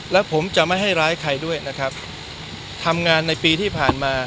แล้วผมจะไม่ให้ร้ายใครด้วยนะครับทำงานในปีที่ผ่านมา